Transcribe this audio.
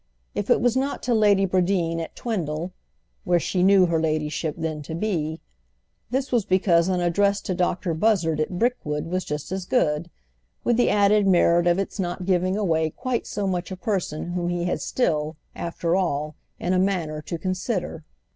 If it was not to Lady Bradeen at Twindle—where she knew her ladyship then to be—this was because an address to Doctor Buzzard at Brickwood was just as good, with the added merit of its not giving away quite so much a person whom he had still, after all, in a manner to consider.